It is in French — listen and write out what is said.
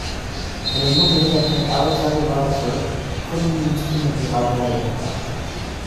Elle est nommée d'apres Alexander Rutherford, premier ministre inaugural de l'Alberta.